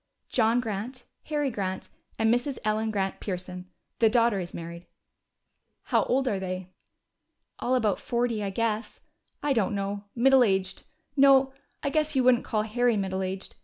"John Grant, Harry Grant, and Mrs. Ellen Grant Pearson. The daughter is married." "How old are they?" "All about forty, I guess. I don't know. Middle aged no, I guess you wouldn't call Harry middle aged.